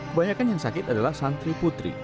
kebanyakan yang sakit adalah santri putri